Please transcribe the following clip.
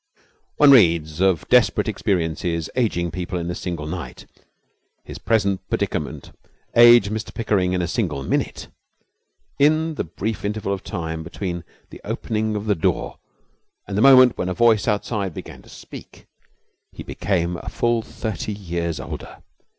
One reads of desperate experiences ageing people in a single night. His present predicament aged Mr Pickering in a single minute. In the brief interval of time between the opening of the door and the moment when a voice outside began to speak he became a full thirty years older.